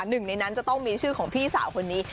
หนึ่งในนั้นจะต้องมีชื่อของพี่สาวคนนี้